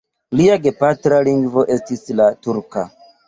Lia gepatra lingvo estis la turka.